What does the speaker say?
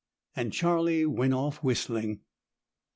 And Charlie went off whistling.